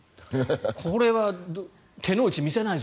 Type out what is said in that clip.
これは手の内を見せないぞ